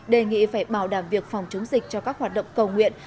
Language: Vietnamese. đề nghị phải bảo đảm việc phòng chống dịch cho các hoạt động cầu nguyện